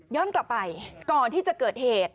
กลับไปก่อนที่จะเกิดเหตุ